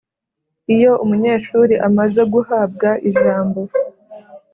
. Iyo umunyeshuri amaze guhabwa ijambo